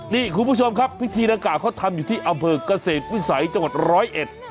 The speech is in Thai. นี่คุณผู้ชมครับพิธีดังกล่าวเขาทำอยู่ที่อำเภอกเกษตรวิสัยจังหวัดร้อยเอ็ด